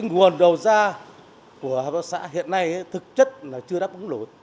nguồn đầu ra của hợp tác xã hiện nay thực chất chưa đáp ứng lỗi